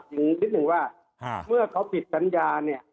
นิดหนึ่งว่าเมื่อเขาผิดสัญญาเนี่ย